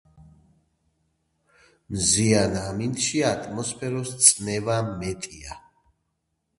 მზიან ამინდში ატმოსფეროს წნევა მეტია